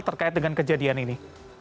terkait dengan kejadian ini